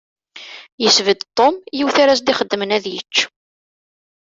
Yesbedd Tom yiwet ara s-d-ixeddmen ad yečč.